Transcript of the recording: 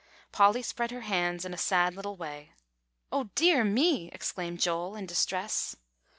Polly spread her hands in a sad little way. "Oh, dear me!" exclaimed Joel in distress.